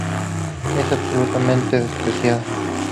es absolutamente despreciado